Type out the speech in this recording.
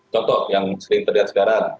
contoh yang sering terlihat sekarang